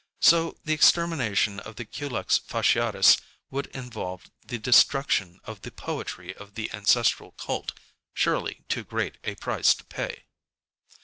So the extermination of the Culex fasciatus would involve the destruction of the poetry of the ancestral cult, ŌĆösurely too great a price to pay!...